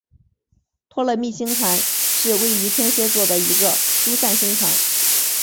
托勒密星团是位于天蝎座的一个疏散星团。